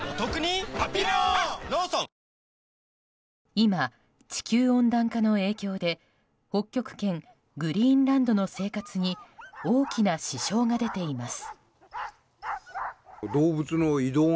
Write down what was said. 今、地球温暖化の影響で北極圏グリーンランドの生活に大きな支障が出ています。